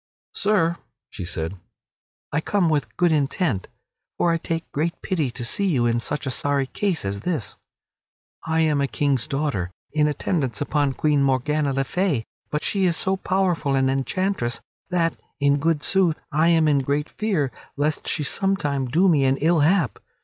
"Sir," she said, "I come with good intent, for I take great pity to see you in such a sorry case as this. I am a King's daughter in attendance upon Queen Morgana le Fay, but she is so powerful an enchantress that, in good sooth, I am in great fear lest she some time do me an ill hap.